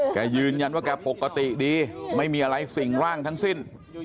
แกยืนยันว่าแกปกติดีไม่มีอะไรสิ่งร่างทั้งสิ้น